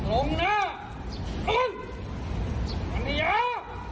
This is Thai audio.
อ้าวเอิ้น